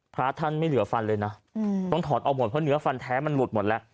พระท่านไม่เหลือฟันเลยนะต้องถอดออกหมดเพราะเนื้อฟันแท้มันหลุดหมดแล้ว